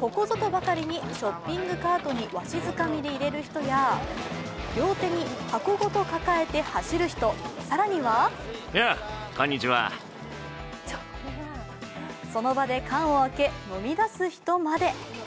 ここぞとばかりにショッピングカートにわしづかみで入れる人や両手に箱ごと抱えて走る人、更にはその場で缶を開け、飲みだす人まで。